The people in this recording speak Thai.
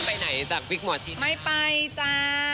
ไปไหนจากวิกหมอที่ที่จะ